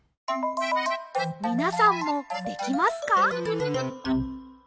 みなさんもできますか？